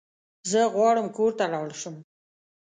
زه غواړم کور ته لاړ شم